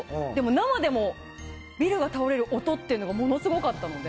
生でもビルが倒れる音がものすごかったので。